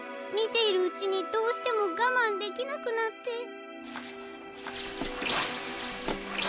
みているうちにどうしてもがまんできなくなって。